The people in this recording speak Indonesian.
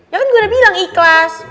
ya kan gue udah bilang ikhlas